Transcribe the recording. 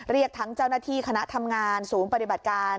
เรียกทั้งเจ้าหน้าที่คณะทำงานศูนย์ปฏิบัติการ